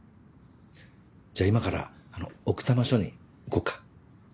じゃあ今から奥多摩署に行こうか。